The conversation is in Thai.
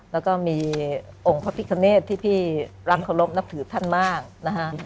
แล้วก็มีองค์พระพิคเนตที่พี่รักเคารพนับถือท่านมากนะฮะ